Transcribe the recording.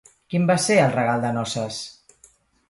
Quin va ser el regal de noces?